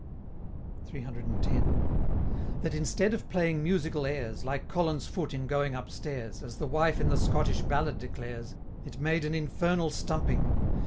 CCCX. That instead of playing musical airs, Like Colin's foot in going upstairs As the wife in the Scottish ballad declares It made an infernal stumping.